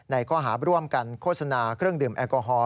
ข้อหาร่วมกันโฆษณาเครื่องดื่มแอลกอฮอล